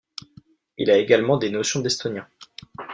Il a également des notions d'estonien.